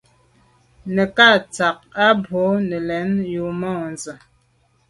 Nə̀ cà gə tɔ́k á bû nə̀ lɛ̌n yù môndzə̀.